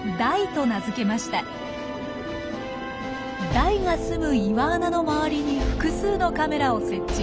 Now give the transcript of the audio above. ダイがすむ岩穴の周りに複数のカメラを設置。